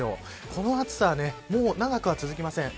この暑さはそんなに長くは続きません。